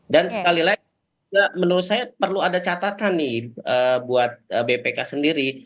dan sekali lagi menurut saya perlu ada catatan nih buat bpk sendiri